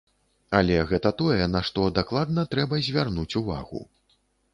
Але гэта тое, на што дакладна трэба звярнуць увагу.